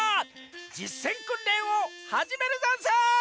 じっせんくんれんをはじめるざんす！